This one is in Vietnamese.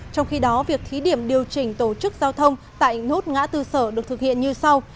trong khi đó việc thí điểm điều chỉnh tổ chức giao thông tại nút ngã tư sở được thực hiện như sau